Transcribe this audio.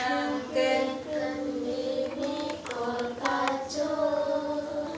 yang kekengini kol kacung